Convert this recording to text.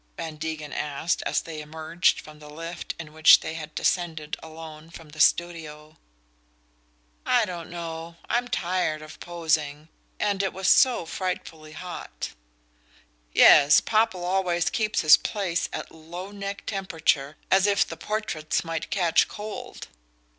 Van Degen asked, as they emerged from the lift in which they had descended alone from the studio. "I don't know I'm tired of posing. And it was so frightfully hot." "Yes. Popple always keeps his place at low neck temperature, as if the portraits might catch cold."